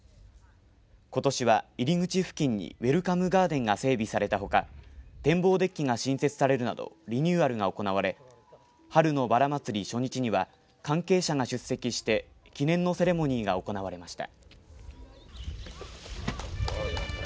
ことしは入り口付近にウェルカムガーデンが整備されたほか展望デッキが新設されるなどリニューアルが行われ春のばら祭り初日には関係者が出席して記念のセレモニーが行われました。